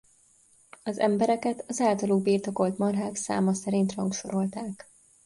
Az embereket az általuk birtokolt marhák száma szerint rangsorolták.